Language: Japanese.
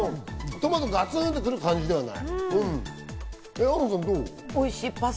トマトがガツンとくる感じではない。